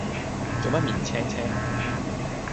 做乜面青青